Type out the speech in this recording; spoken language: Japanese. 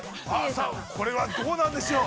さあ、これはどうなんでしょう。